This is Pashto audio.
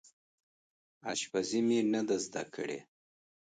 اشپزي مې ده زده کړې